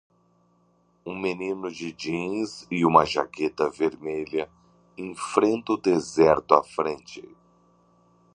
Um menino de jeans e uma jaqueta vermelha enfrenta o deserto à frente.